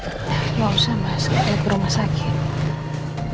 enggak usah mas kita ke rumah sakit